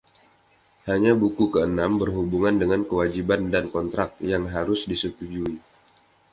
Hanya buku keenam, berhubungan dengan kewajiban dan kontrak, yang harus disetujui.